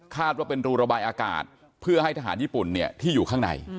ว่าเป็นรูระบายอากาศเพื่อให้ทหารญี่ปุ่นที่อยู่ข้างใน